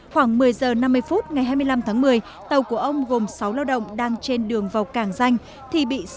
khoảng một mươi h năm mươi phút ngày hai mươi năm tháng một mươi tàu của ông gồm sáu lao động đang trên đường vào cảng danh